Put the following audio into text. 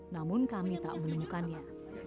namun kami tak menemukannya